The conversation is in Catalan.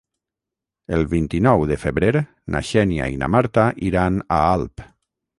El vint-i-nou de febrer na Xènia i na Marta iran a Alp.